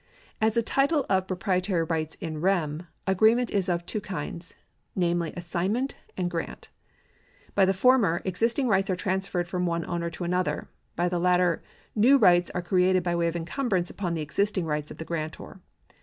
As a title of proprietary rights in rem, agreement is of two kinds, namely assignment and grant. By the former, exist ing rights are transferred from one owner to another ; by the latter, new rights are created by way of encumbrance upon the existing rights of the grantor.